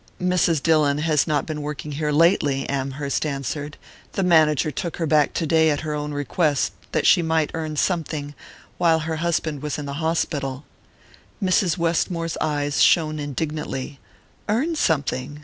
"Mrs. Dillon has not been working here lately," Amherst answered. "The manager took her back to day at her own request, that she might earn something while her husband was in hospital." Mrs. Westmore's eyes shone indignantly. "Earn something?